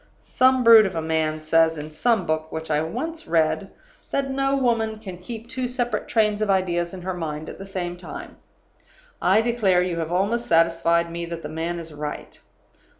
"Some brute of a man says, in some book which I once read, that no woman can keep two separate trains of ideas in her mind at the same time. I declare you have almost satisfied me that the man is right.